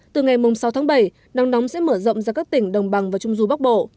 từ ngày sáu tháng bảy nắng nóng sẽ mở rộng ra các tỉnh đồng bằng và trung du bắc bộ